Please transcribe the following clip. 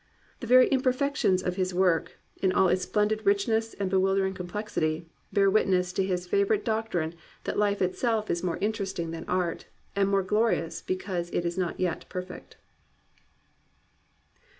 The very imperfec tions of his work, in all its splendid richness and bewildering complexity, bear witness to his favour ite doctrine that life itself is more interesting than art, and more glorious, because it is not yetf>erfect.